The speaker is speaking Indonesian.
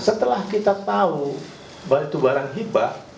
setelah kita tahu bahwa itu barang hibah